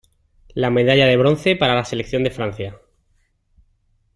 La medalla de bronce para la selección de Francia.